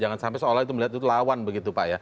jangan sampai seolah itu melihat itu lawan begitu pak ya